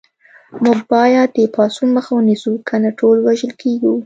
موږ باید د پاڅون مخه ونیسو کنه ټول وژل کېږو